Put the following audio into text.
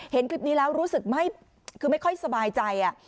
เห็นคลิปนี้แล้วรู้สึกคือไม่ค่อยสบายใจ